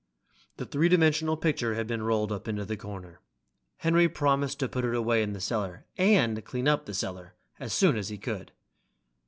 The three dimensional picture had been rolled up into the corner. Henry promised to put it away in the cellar and clean up the cellar as soon as he could.